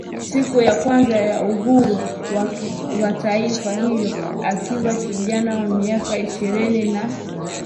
siku ya kwanza ya Uhuru wa Taifa hilo Akiwa kijana wa miaka ishirini na